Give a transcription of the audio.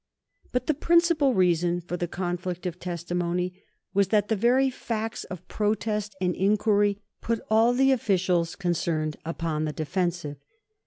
But the principal reason for the conflict of testimony was that the very facts of protest and inquiry put all the officials concerned upon the defensive.